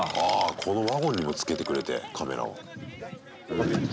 このワゴンにもつけてくれてカメラを。